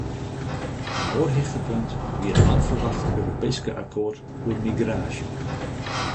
In oar hichtepunt wie it langferwachte Europeeske akkoart oer migraasje.